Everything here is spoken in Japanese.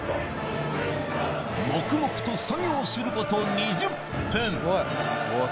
黙々と作業すること２０分